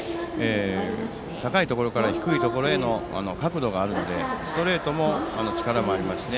高いところから低いところへの角度があるのでストレートも力もありますね。